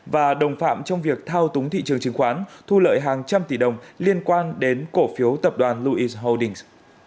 và đồng phạm trong việc thao túng thị trường chứng khoán thu lợi hàng trăm tỷ đồng liên quan đến cổ phiếu tập đoàn louis holdings